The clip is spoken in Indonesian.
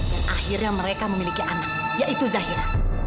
dan akhirnya mereka memiliki anak yaitu zairah